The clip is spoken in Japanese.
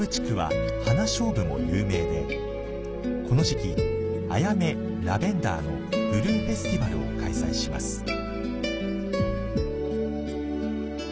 この時期、アヤメ、ラベンダーのブルーフェスティバルを開催します。